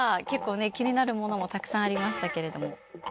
結構ね気になるものもたくさんありましたけれども。